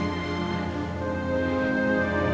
mereka harus lebih belajar